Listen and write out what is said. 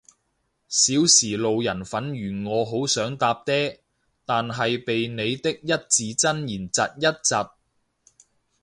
少時路人粉如我好想搭嗲，但係被你啲一字真言疾一疾